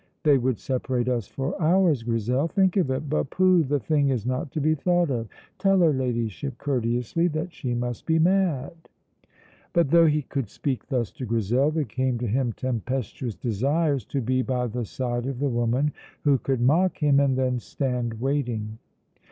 "They would separate us for hours, Grizel. Think of it! But, pooh! the thing is not to be thought of. Tell her Ladyship courteously that she must be mad." But though he could speak thus to Grizel, there came to him tempestuous desires to be by the side of the woman who could mock him and then stand waiting.